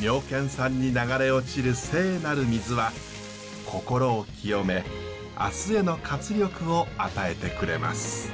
妙見山に流れ落ちる聖なる水は心を浄め明日への活力を与えてくれます。